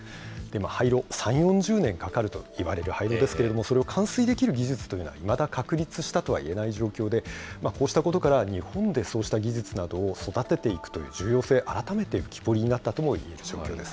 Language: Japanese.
廃炉、３、４０年かかるといわれている廃炉ですけれども、それを完遂できる技術というのは、いまだ確立したとは、いえない状況で、こうしたことから、日本でそうした技術などを育てていくという重要性、改めて浮き彫りになったといえる状況です。